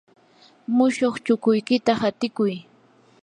mushuq chukuykita hatikuy.